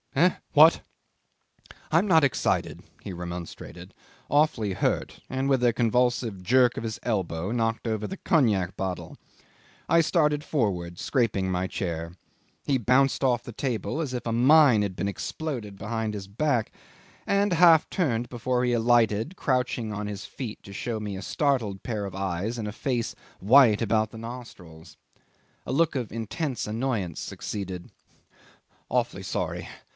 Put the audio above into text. '"Eh? What? I am not excited," he remonstrated, awfully hurt, and with a convulsive jerk of his elbow knocked over the cognac bottle. I started forward, scraping my chair. He bounced off the table as if a mine had been exploded behind his back, and half turned before he alighted, crouching on his feet to show me a startled pair of eyes and a face white about the nostrils. A look of intense annoyance succeeded. "Awfully sorry.